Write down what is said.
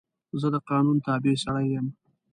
زه د قانون تابع سړی یم.